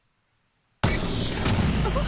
あっ！？